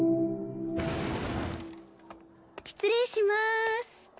失礼します。